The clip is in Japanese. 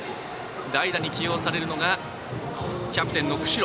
代打に起用されたのがキャプテンの久城。